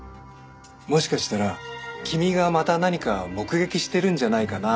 もしかしたら君がまた何か目撃してるんじゃないかなって。